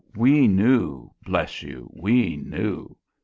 we knew, bless you; we knew.